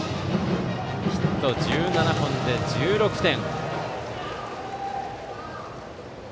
ヒット１７本で１６点。